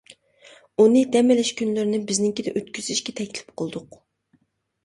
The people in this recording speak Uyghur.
ئۇنى دەم ئېلىش كۈنلىرىنى بىزنىڭكىدە ئۆتكۈزۈشكە تەكلىپ قىلدۇق.